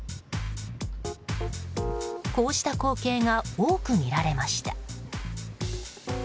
こうした光景が多く見られました。